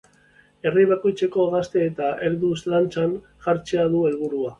Herri bakoitzeko, gazte eta heldu dantzan jartzea du helburu.